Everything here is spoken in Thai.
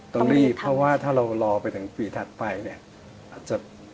ต้องรีบเพราะว่าถ้าเรารอไปถึงปีถัดไปเนี่ยอาจจะ